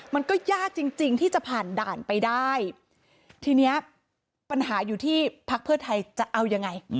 มันก็ยากจริงจริงที่จะผ่านด่านไปได้ทีเนี้ยปัญหาอยู่ที่พักเพื่อไทยจะเอายังไง